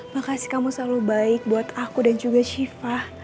makasih kamu selalu baik buat aku dan juga shiva